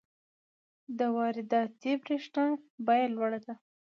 د وارداتي برښنا بیه لوړه ده.